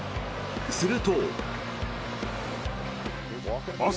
すると。